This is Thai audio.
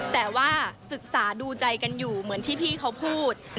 แต่ว่าศึกษาดูใจกันอยู่เหมือนที่พี่เขาพูด